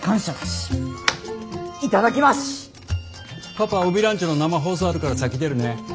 パパ「オビランチ」の生放送あるから先出るね。